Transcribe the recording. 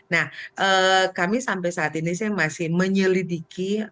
nah kami sampai saat ini saya masih menyelidiki